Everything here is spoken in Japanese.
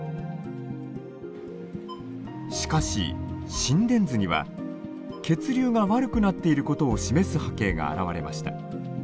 しかし心電図には血流が悪くなっていることを示す波形が現れました。